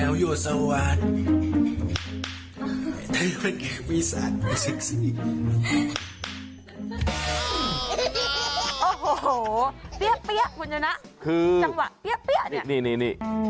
คือจังหวะเปี๊ยะเปี๊ยะเนี่ย